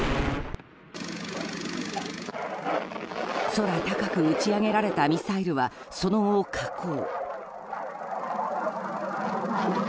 空高く打ち上げられたミサイルは、その後、下降。